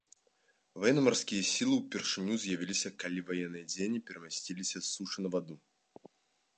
Ваенна-марскія сілы ўпершыню з'явіліся калі ваенныя дзеянні перамясціліся з сушы на ваду.